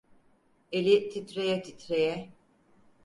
Eli titreye titreye.